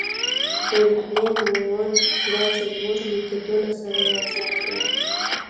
ویلهیلم وونت دا څلور مېتودونه سره یوځای کړل